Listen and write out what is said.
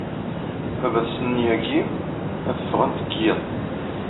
Baba tsn yagi ad ffɣnt g yiḍ